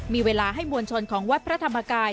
มีเวลาให้มวลชนของวัดพระธรรมกาย